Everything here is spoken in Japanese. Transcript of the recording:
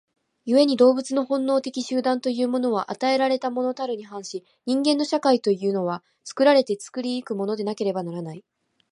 故に動物の本能的集団というものは与えられたものたるに反し、人間の社会というのは作られて作り行くものでなければならない。